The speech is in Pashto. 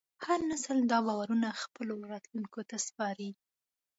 هر نسل دا باورونه خپلو راتلونکو ته سپاري.